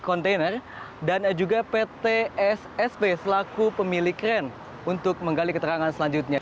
kontainer dan juga pt ssb selaku pemilik ren untuk menggali keterangan selanjutnya